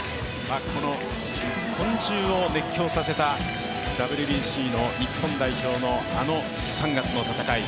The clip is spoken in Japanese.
日本中を熱狂させたＷＢＣの日本代表のあの３月の戦い。